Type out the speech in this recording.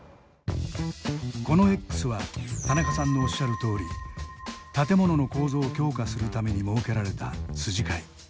このＸは田中さんのおっしゃるとおり建物の構造を強化するために設けられた筋交い。